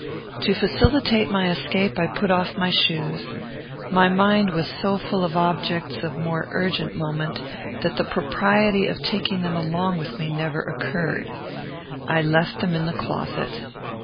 To facilitate my escape, I put off my shoes. My mind was so full of objects of more urgent moment, that the propriety of taking them along with me never occurred. I left them in the closet.